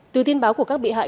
từ tin báo của các bị hại